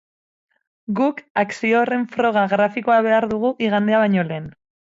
Guk akzio horren froga grafikoa behar dugu igandea baino lehen.